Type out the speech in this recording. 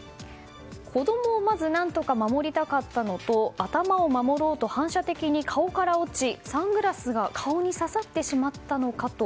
子供をまず何とか守りたかったのと頭を守ろうと反射的に顔から落ちサングラスが顔に刺さってしまったのかと。